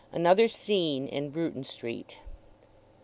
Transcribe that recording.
ANOTHER SCENE IN BRUTON STREET.